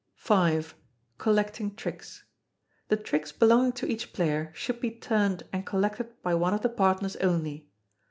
v. Collecting Tricks. The tricks belonging to each player should be turned and collected by one of the partners only.